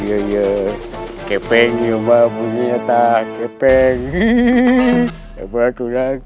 iya iya kepingnya bernyata keping nih berat